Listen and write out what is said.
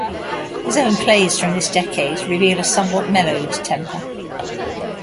His own plays from this decade reveal a somewhat mellowed temper.